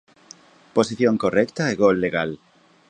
Posición correcta e gol legal.